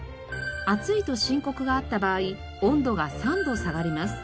暑いと申告があった場合温度が３度下がります。